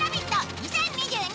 ２０２２」